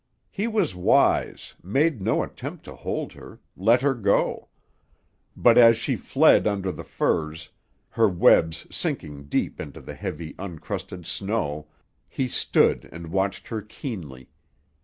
He was wise, made no attempt to hold her, let her go; but, as she fled under the firs, her webs sinking deep into the heavy, uncrusted snow, he stood and watched her keenly.